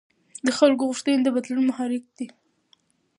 د خلکو غوښتنې د بدلون محرک دي